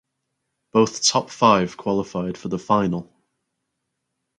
Both top five qualified for the final.